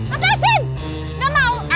kan bapak yang butuh